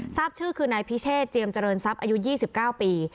ทราบชื่อคือนายพิเชษเจียมเจริญทรัพย์อายุ๒๙ปี